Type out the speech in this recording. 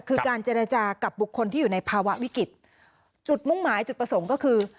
คือการเจรจากับบุคคลที่อยู่ในภาวะวิกฤตจุดมุ่งหมายจุดประสงค์ก็คือ